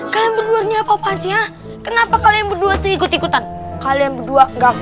kalian berduanya apa aja kenapa kalian berdua ikut ikutan kalian berdua nggak